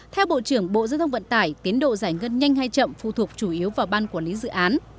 theo bộ trưởng bộ giao thông vận tải tiến độ giải ngân nhanh hay chậm phụ thuộc chủ yếu vào ban quản lý dự án